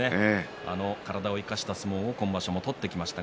体を生かした相撲を今場所も取ってきました。